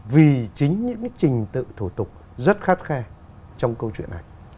vì chính những trình tự thủ tục rất khắt khe trong câu chuyện này